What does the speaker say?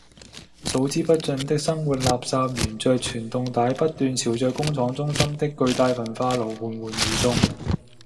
數之不盡的生活垃圾沿著傳動帶不斷朝著工廠中心的巨大焚化爐緩緩移動